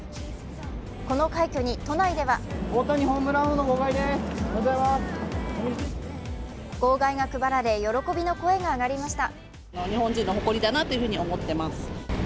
この快挙に都内では号外が配られ、喜びの声が上がりました。